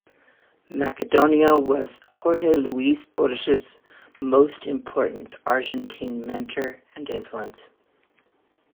Macedonio was Jorge Luis Borges's most important Argentine mentor and influence.